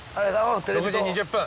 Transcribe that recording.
６時２０分。